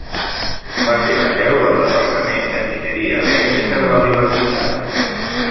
Va ser la seu del departament d'Enginyeria Elèctrica de la Universitat.